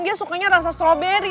dia sukanya rasa strawberry